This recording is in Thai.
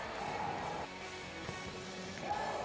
สวัสดีทุกคน